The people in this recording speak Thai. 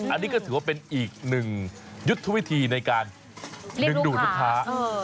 อันนี้ก็ถือว่าเป็นอีกหนึ่งยุทธวิธีในการดึงดูดลูกค้า